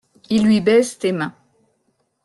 Il lui baise tes mains.